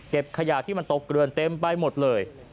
ขยะที่มันตกเกลือนเต็มไปหมดเลย